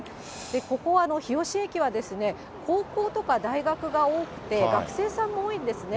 ここは、日吉駅は高校とか大学が多くて、学生さんも多いんですね。